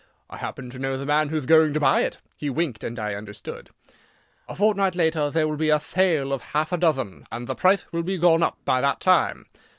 "I happen to know the man whoth going to buy it." He winked, and I understood. "A fortnight later there will be a thale of half a dothen, and the prithe will be gone up by that time."